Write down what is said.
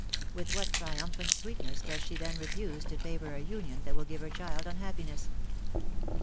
With what triumphant sweet ness does she then refuse to favor a union that will give her child unhappiness